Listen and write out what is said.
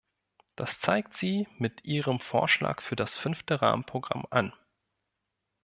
Das zeigt sie mit ihrem Vorschlag für das fünfte Rahmenprogramm an.